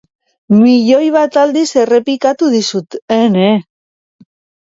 Milioi bat aldiz errepikatu dizut, ene.